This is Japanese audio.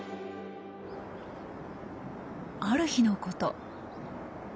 ある日のこと。